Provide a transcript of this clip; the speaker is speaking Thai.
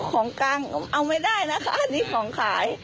ของกลางเอาไม่ได้นะคะอันนี้ของขาย